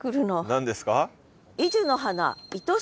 何ですか？